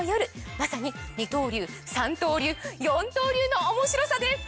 まさに二刀流三刀流四刀流の面白さです